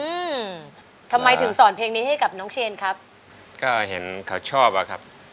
อืมทำไมถึงสอนเพลงนี้ให้กับน้องเชนครับก็เห็นเขาชอบอ่ะครับ